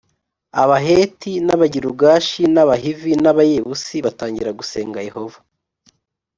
Abaheti n Abagirugashi n Abahivi n Abayebusi batangira gusenga yehova